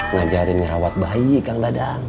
ngajarin ngerawat bayi kang dadang